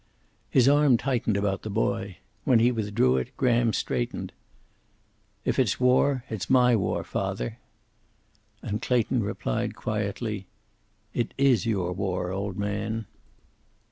His arm tightened about the boy. When he withdrew it Graham straightened. "If it's war, it's my war, father." And Clayton replied, quietly: "It is your war, old man."